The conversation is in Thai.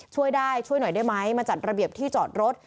ช่วยได้ช่วยหน่อยได้ไหมมาจัดระเบียบที่จอดรถ